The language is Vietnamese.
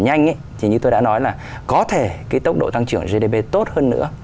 nhanh thì như tôi đã nói là có thể cái tốc độ tăng trưởng gdp tốt hơn nữa